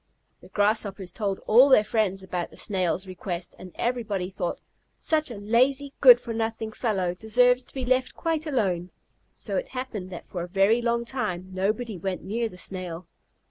The Grasshoppers told all their friends about the Snail's request, and everybody thought, "Such a lazy, good for nothing fellow deserves to be left quite alone." So it happened that for a very long time nobody went near the Snail.